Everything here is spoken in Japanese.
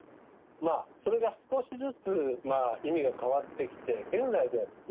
まあそれが少しずつ意味が変わってきて現在ではですね